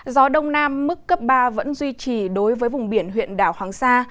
gió đông nam mức cấp ba vẫn duy trì đối với vùng biển huyện đảo hoàng sa